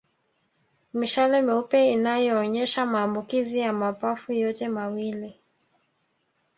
Mishale meupe inayoonyesha maambukizi ya mapafu yote mawili